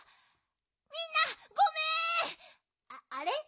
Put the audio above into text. みんなごめんあれ？